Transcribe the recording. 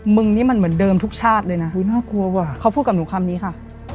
มึงนี่มันเหมือนเดิมทุกชาติเลยนะอุ้ยน่ากลัวว่ะเขาพูดกับหนูคำนี้ค่ะ